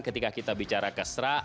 ketika kita bicara keserah